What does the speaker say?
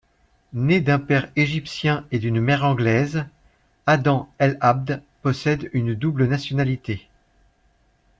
Né d'un père égyptien et d'une mère anglaise, Adam El-Abd possède une double nationalité.